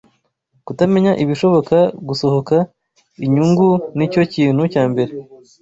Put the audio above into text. Kutamenya ibishoboka gusohoka, Inyungu nicyo kintu cyambere